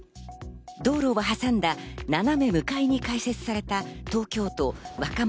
道路を挟んだ斜め向かいに開設された東京都若者